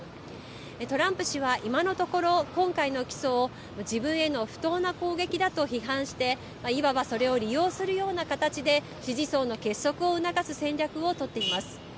トランプ氏は今のところ、今回の起訴を自分への不当な攻撃だと批判して、いわばそれを利用するような形で、支持層の結束を促す戦略を取っています。